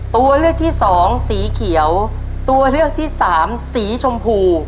ตัวเลือกที่สองสีเขียวตัวเลือกที่สามสีชมพู